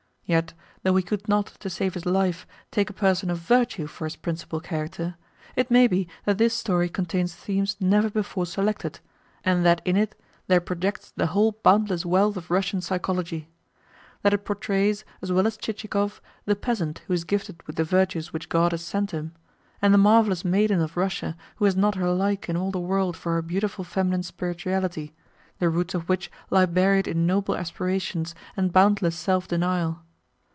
Yet, though he could not, to save his life, take a person of virtue for his principal character, it may be that this story contains themes never before selected, and that in it there projects the whole boundless wealth of Russian psychology; that it portrays, as well as Chichikov, the peasant who is gifted with the virtues which God has sent him, and the marvellous maiden of Russia who has not her like in all the world for her beautiful feminine spirituality, the roots of which lie buried in noble aspirations and boundless self denial.